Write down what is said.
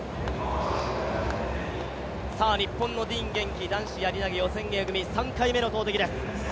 日本のディーン元気、男子やり投げ予選Ａ組、３回目の投てきです。